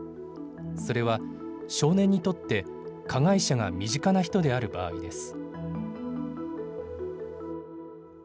それは少年にとって加害者が身近な人である場合です。